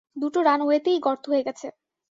দুটো রানওয়েতেই গর্ত হয়ে গেছে।